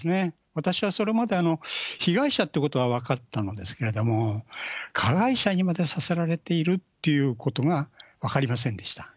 私はそれまで被害者っていうことは分かったのですけれども、加害者にまでさせられているっていうことが分かりませんでした。